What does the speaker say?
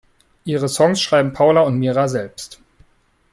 Ihre Songs schreiben Paula und Mira selbst.